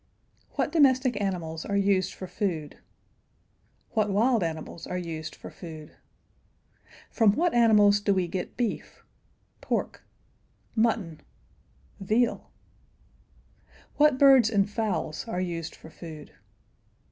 What wild animals are used for food? [Illustration: "WHAT DOMESTIC ANIMALS ARE USED FOR FOOD?"] From what animals do we get beef? pork? mutton? veal? What birds and fowls are used for food?